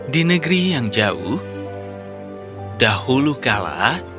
di negeri yang jauh dahulu kala